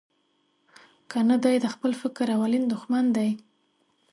کنه دای د خپل فکر اولین دوښمن دی.